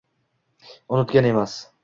Unutgan emas.